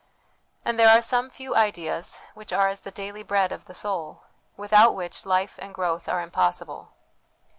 And there are some few ideas which are as the daily bread of the soul, without which life and growth are impossible.